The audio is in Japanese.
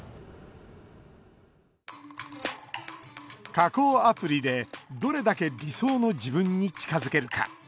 加工アプリでどれだけ理想の自分に近づけるか。